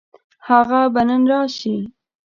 هغه به نن راشي.